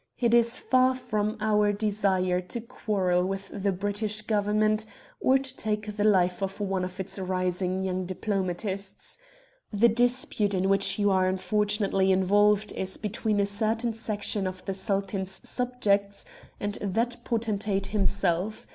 It is far from our desire to quarrel with the British Government or to take the life of one of its rising young diplomatists. The dispute in which you are unfortunately involved is between a certain section of the Sultan's subjects and that potentate himself.